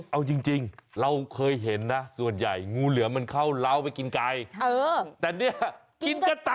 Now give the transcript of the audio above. เอาจริงเราเคยเห็นนะส่วนใหญ่งูเหลือมเข้าร้าวไปกินไก่